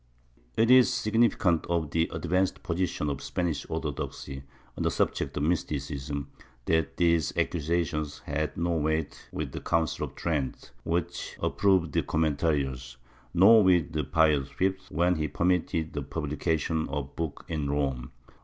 It is significant of the advanced position of Spanish orthodoxy on the subject of mysticism that these accusations had no weight with the Council of Trent, which approved the Comentarios, nor with Pius V, when he permitted the publication of the book in Rome.